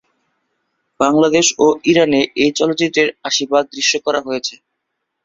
বাংলাদেশ ও ইরানে এই চলচ্চিত্রের আশি ভাগ দৃশ্যায়ন করা হয়েছে।